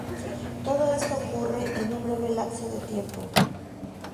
Todo esto ocurre en un breve lapso de tiempo.